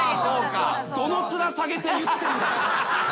どの面下げて言ってんだと。